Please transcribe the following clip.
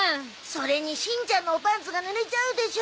それにしんちゃんのおパンツがぬれちゃうでしょ。